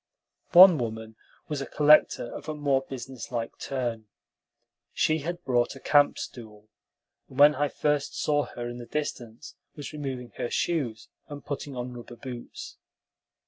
One woman was a collector of a more businesslike turn. She had brought a camp stool, and when I first saw her in the distance was removing her shoes, and putting on rubber boots.